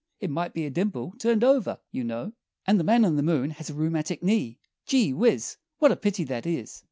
It might be a dimple turned over, you know! And The Man in the Moon has a rheumatic knee Gee! Whizz! What a pity that is!